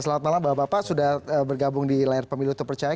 selamat malam bapak bapak sudah bergabung di layar pemilu terpercaya